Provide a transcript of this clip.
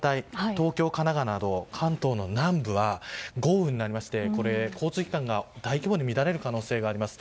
東京、神奈川など関東の南部は豪雨になりまして交通機関が大規模に乱れる可能性があります。